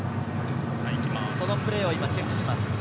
そのプレーをチェックします。